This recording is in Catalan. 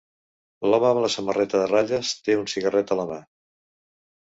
L"home amb la samarreta de ratlles té un cigarret a la mà.